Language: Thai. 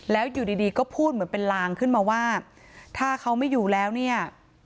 แล้วอยู่ดีก็พูดเหมือนเป็นลางขึ้นมาว่าถ้าเขาไม่อยู่แล้วเนี่ย